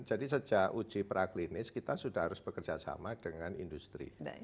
jadi sejak uji praklinis kita sudah harus bekerja sama dengan industri